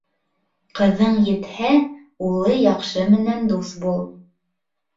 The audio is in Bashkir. Ҡыҙың етһә, улы яҡшы менән дуҫ бул.